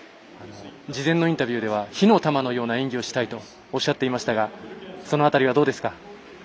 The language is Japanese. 事前のインタビューでは火の玉のような演技をしたいとおっしゃっていましたがその辺りはどうですか？